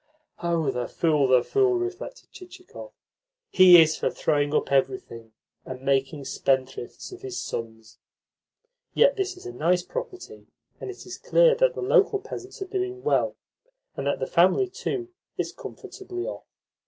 "Oh, the fool, the fool!" reflected Chichikov. "He is for throwing up everything and making spendthrifts of his sons. Yet this is a nice property, and it is clear that the local peasants are doing well, and that the family, too, is comfortably off.